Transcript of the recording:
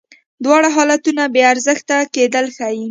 دواړه حالتونه بې ارزښته کېدل ښیې.